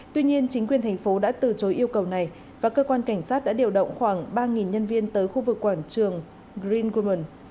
tuy nhiên chính quyền thành phố đã từ chối yêu cầu này và cơ quan cảnh sát đã điều động khoảng ba nhân viên tới khu vực quảng trường green women